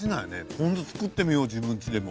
ポン酢作ってみよう自分ちでも。